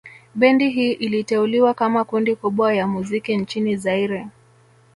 Bendi hii iliteuliwa kama kundi kubwa ya muziki nchini Zaire